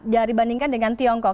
dibandingkan dengan tiongkok